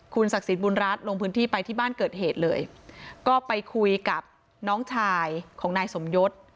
ศักดิ์สิทธิบุญรัฐลงพื้นที่ไปที่บ้านเกิดเหตุเลยก็ไปคุยกับน้องชายของนายสมยศ